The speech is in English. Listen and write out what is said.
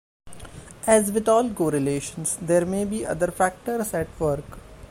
As with all correlations, there may be other factors at work.